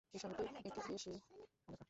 এই শহরটি একটি কৃষি এলাকা।